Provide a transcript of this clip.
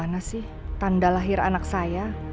kamu gimana sih tanda lahir anak saya